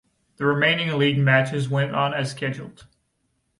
The remaining league matches went on as scheduled.